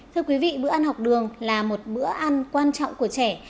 thưa quý vị bữa ăn học đường là một bữa ăn quan trọng của trẻ